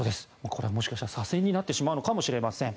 これはもしかしたら左遷になってしまうのかもしれません。